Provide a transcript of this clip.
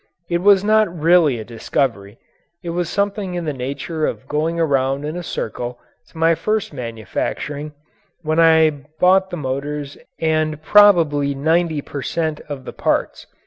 It was not really a discovery it was something in the nature of going around in a circle to my first manufacturing when I bought the motors and probably ninety per cent. of the parts.